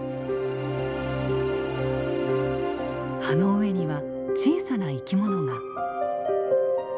葉の上には小さな生き物が。